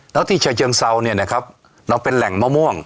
แล้วที่ฉะเชิงเซาเนี่ยนะครับเราเป็นแหล่งมะม่วง